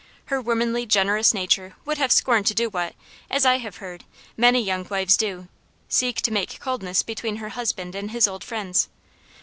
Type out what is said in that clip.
Her womanly, generous nature would have scorned to do what, as I have heard, many young wives do seek to make coldness between her husband and his old friends.